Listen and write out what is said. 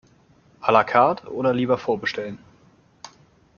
A la carte oder lieber vorbestellen?